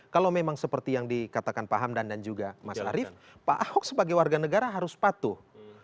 kalau memang seperti yang dikatakan pak hamdan dan juga mas arief pak ahok sebagai warga negara harus patuh